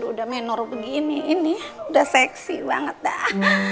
udah menor begini ini udah seksi banget dah